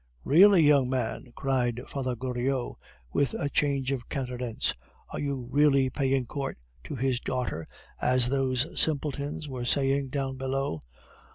"Really, young man!" cried Father Goriot, with a change of countenance; "are you really paying court to his daughter, as those simpletons were saying down below?...